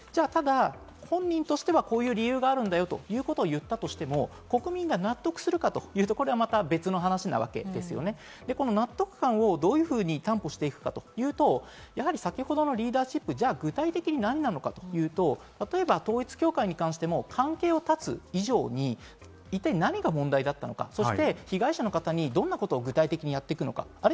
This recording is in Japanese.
本人としてはこういう理由があるんだよということを言ったとしても国民が納得するかというところはまた別の話なわけで、ですよね。納得感をどういうふうに担保していくかというと先ほどのリーダーシップ、具体的に何なのかというと統一教会に関しても関係を断つ以上に一体、何が問題だったのか、被害者の方にどんなことを具体的にやっていくのか。